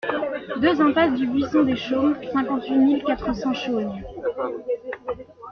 deux impasse du Buisson des Chaumes, cinquante-huit mille quatre cents Chaulgnes